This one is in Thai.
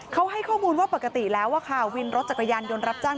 เขาให้ข้อมูลว่าปกติแล้วค่ะวินรถจักรยานยนต์รับจ้าง